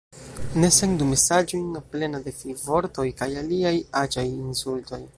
Ne sendu mesaĝojn plena de fivortoj kaj aliaj aĉaj insultoj